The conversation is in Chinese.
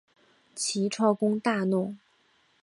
齐悼公大怒。